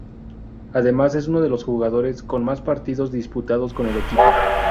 Además es uno de los jugadores con más partidos disputados con el equipo.